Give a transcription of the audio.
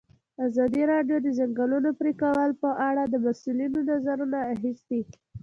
ازادي راډیو د د ځنګلونو پرېکول په اړه د مسؤلینو نظرونه اخیستي.